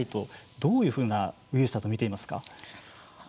どういうふうなウイルスだと見ていますか。